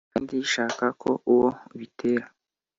kandi nshaka ko uwo ubitera